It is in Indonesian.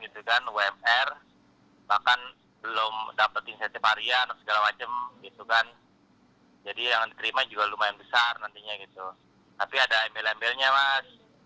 tapi ada email emailnya mas